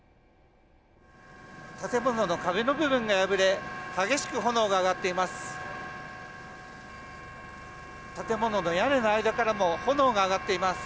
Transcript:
建物の壁の部分が破れ激しく炎が上がっています。